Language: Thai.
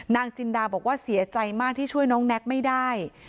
จินดาบอกว่าเสียใจมากที่ช่วยน้องแน็กไม่ได้